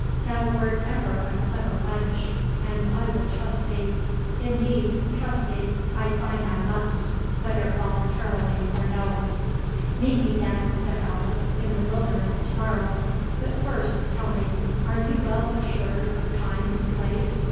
"Thou wert ever a clever wench, and I will trust thee; indeed, trust thee I find I must, whether voluntarily or no." "Meet me, then," said Alice, "in the wilderness to morrow. But first tell me, are you well assured of time and place?